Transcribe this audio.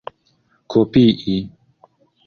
kopii